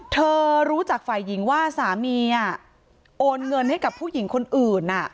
รู้จักฝ่ายหญิงว่าสามีโอนเงินให้กับผู้หญิงคนอื่น